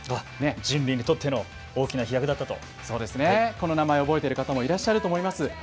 人類にとっての大きな飛躍だったと、この名前、覚えてらっしゃる方もいらっしゃると思います。